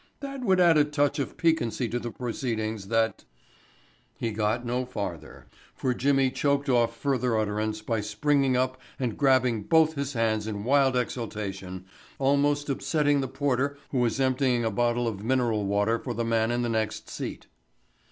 That would add a touch of piquancy to the proceedings that——" He got no farther, for Jimmy choked off further utterance by springing up and grabbing both his hands in wild exultation, almost upsetting the porter who was emptying a bottle of mineral water for the man in the next seat.